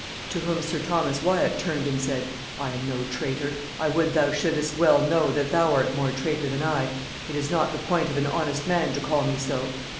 To whom sir Thomas Wyat turned and said, 'I am no traitor; I would thou shouldest well know that thou art more traitor than I; it is not the point of an honest man to call me so.'